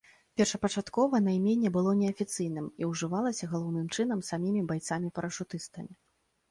Першапачаткова найменне было неафіцыйным, і ўжывалася галоўным чынам самімі байцамі-парашутыстамі.